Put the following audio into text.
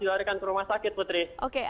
dilarikan ke rumah sakit putri